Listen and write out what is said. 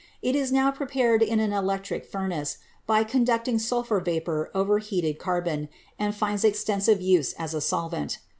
It is now prepared in an electric furnace, by conducting sulphur vapor over heated carbon, and finds extensive use as a solvent.